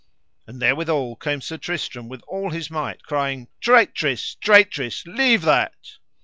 And therewithal came Sir Tristram with all his might, crying: Traitress, traitress, leave that.